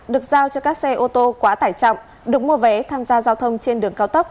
được giao cho các xe ô tô quá tải trọng được mua vé tham gia giao thông trên đường cao tốc